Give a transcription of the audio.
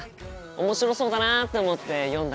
面白そうだなって思って読んだ